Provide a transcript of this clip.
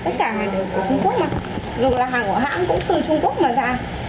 tất cả hàng đều của trung quốc mà dù là hàng của hãng cũng từ trung quốc mà ra